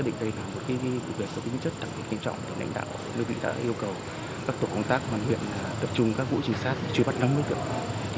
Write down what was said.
các tổ công tác hoàn huyện tập trung các vụ trình sát truy bắt năm người tử